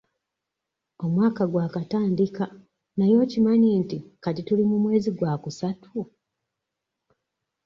Omwaka gwakatandika naye okimanyi nti kati tuli mu mwezi gwakusatu?